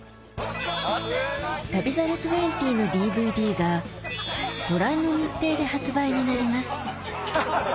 『旅猿２０』のＤＶＤがご覧の日程で発売になります